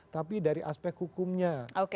tapi dari aspek hukumnya